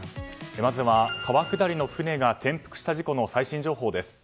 まずは、川下りの船が転覆した事故の最新情報です。